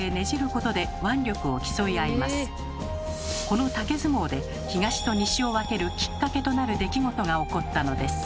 この竹相撲で「東」と「西」を分けるきっかけとなる出来事が起こったのです。